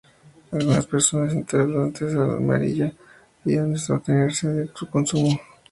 Algunas personas son intolerantes a "Armillaria" y han de abstenerse de su consumo.